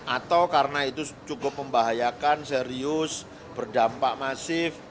atau karena itu cukup membahayakan serius berdampak masif